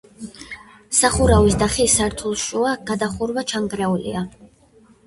სახურავის და ხის სართულშუა გადახურვა ჩანგრეულია.